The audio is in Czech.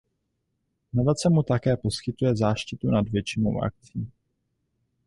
Nadace mu také poskytuje záštitu nad většinou akcí.